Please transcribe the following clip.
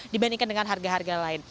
dibandingkan dengan harga harga lain